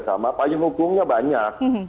pak iwan hukumnya banyak